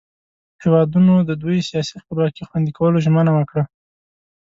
هیوادونو د دوئ سیاسي خپلواکي خوندي کولو ژمنه وکړه.